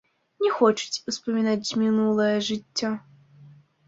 Не хочуць успамінаць мінулае жыццё.